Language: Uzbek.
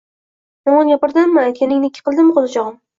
Yomon gapirdimmi? Aytganingni ikki qildimmi, ko'zichog'im?